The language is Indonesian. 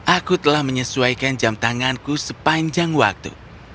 aku telah menyesuaikan jam tanganku sepanjang waktu